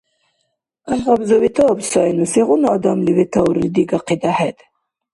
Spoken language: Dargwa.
ГӀяхӀгъабза ветааб сайну, сегъуна адамли ветаурли дигахъади хӀед?